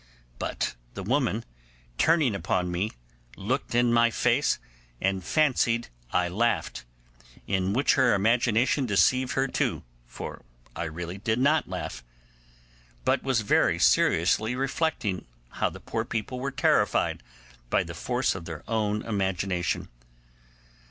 But the woman, turning upon me, looked in my face, and fancied I laughed, in which her imagination deceived her too, for I really did not laugh, but was very seriously reflecting how the poor people were terrified by the force of their own imagination.